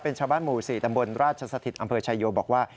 เป็นชาวบ้านหมู่๔ตำบลราชสถิตอำเภอชายโยบอกว่า